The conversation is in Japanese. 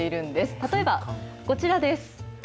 例えばこちらです。